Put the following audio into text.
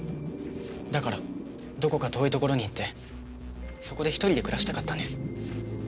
だからどこか遠いところに行ってそこで１人で暮らしたかったんです。